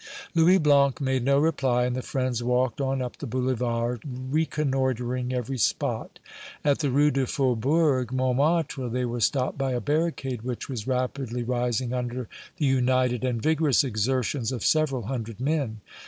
Louis Blanc made no reply, and the friends walked on up the Boulevard, reconnoitering every spot. At the Rue du Faubourg Montmartre they were stopped by a barricade, which was rapidly rising under the united and vigorous exertions of several hundred men.